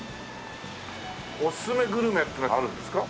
おすすめグルメってなんかあるんですか？